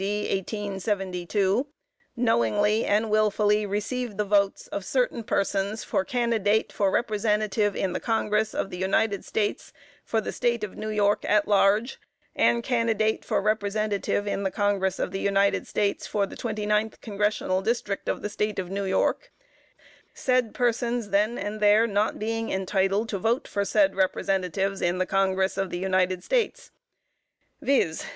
D. 1872, knowingly and wilfully receive the votes of certain persons for candidate for Representative in the Congress of the United States for the State of New York at large, and candidate for Representative in the Congress of the United States for the Twenty Ninth Congressional District of the State of New York, said persons then and there not being entitled to vote for said Representatives in the Congress of the United States, viz.